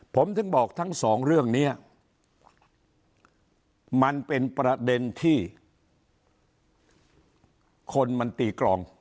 ผมถึงบอกทั้งสองเรื่องนี้มันเป็นประเด็นที่คนมันตีกรอง